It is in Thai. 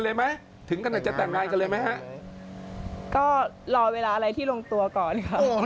อ๋อวเลยเที่ยวจะแต่งงานกันเลยไหมก็รอเวลาอะไรที่ลงตัวก่อนค่ะ